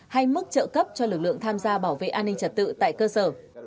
hay mức trợ cấp cho lực lượng tham gia bảo vệ an ninh trật tự tại cơ sở